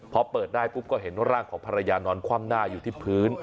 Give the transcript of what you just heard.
พอเปิดได้ปุ๊บก็เห็นร่างของภรรยานอนคว่ำหน้าอยู่ที่พื้น